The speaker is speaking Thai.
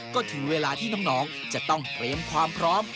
ก็ถึงเวลาที่น้องจะต้องเตรียมความพร้อม